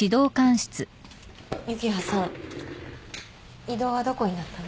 幸葉さん異動はどこになったの？